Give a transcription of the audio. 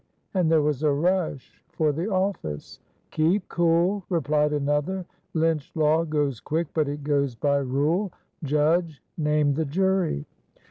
and there was a rush for the office. "Keep cool," replied another. "Lynch law goes quick, but it goes by rule. Judge, name the jury."